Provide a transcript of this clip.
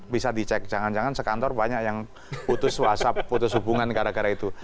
bisa dicek jangan jangan sekantor banyak yang putus whatsapp putus hubungan gara gara itu